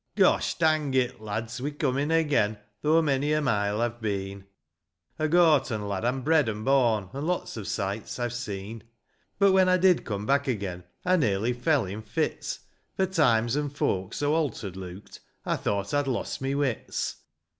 GOSH dang it, lads, we're coming again, Though many a mile I've been ; A Gorton lad I'm bred and born, And lots of sights I've seen. But when I did come back again, I nearly fell in fits, For times and folks so alter'd look'd, I thought I'd lost my wits.